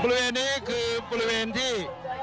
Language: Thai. บริเวณนี้คือบริเวณที่